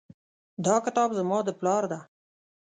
دا کتاب زما د پلار ده